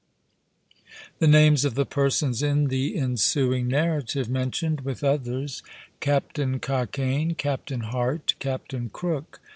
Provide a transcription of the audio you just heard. ] The names of the persons in the ensuing Narrative mentioned, with others:— CAPTAIN COCKAINE. CAPTAIN HART. CAPTAIN CROOK.